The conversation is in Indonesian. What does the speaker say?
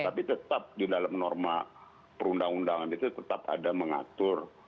tapi tetap di dalam norma perundang undangan itu tetap ada mengatur